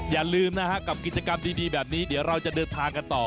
อย่าลืมนะฮะกับกิจกรรมดีแบบนี้เดี๋ยวเราจะเดินทางกันต่อ